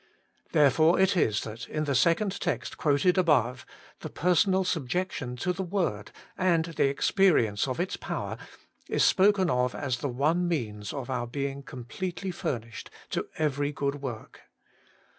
Therefore it is that, in the second text quoted above, the personal subjection to the word, and the experience of its power, is spoken of as the one means of our being completely fur nished to every good work.